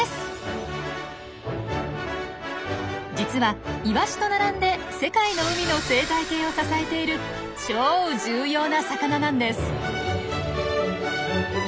実はイワシと並んで世界の海の生態系を支えている超重要な魚なんです。